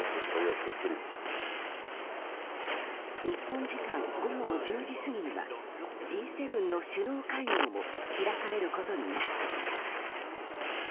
日本時間午後１０時過ぎにはＧ７の首脳会合も開かれることになっています。